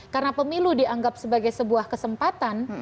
karena pemilu dianggap sebagai kesempatan